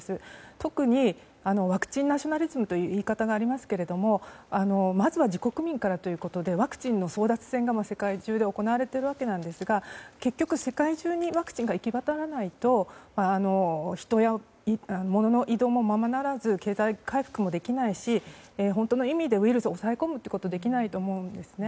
特に、ワクチンナショナリズムという言い方がありますけれどもまずは自国民からということでワクチンの争奪戦が世界中で行われているんですが結局、世界中にワクチンが行き渡らないと人やモノの移動もままならず経済回復もできないし本当の意味でウイルスを抑え込むことができないと思うんですね。